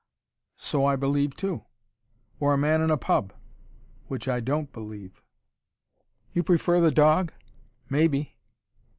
"So I believe, too." "Or a man in a pub." "Which I don't believe." "You prefer the dog?" "Maybe."